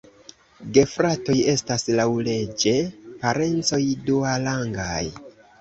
Gefratoj estas laŭleĝe parencoj duarangaj.